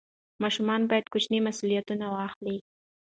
ماشوم باید کوچني مسوولیتونه واخلي.